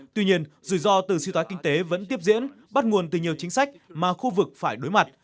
tuy nhiên rủi ro từ siêu tái kinh tế vẫn tiếp diễn bắt nguồn từ nhiều chính sách mà khu vực phải đối mặt